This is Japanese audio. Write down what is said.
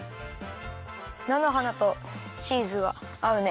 なのはなとチーズがあうね。